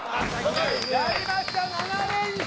やりました７連勝！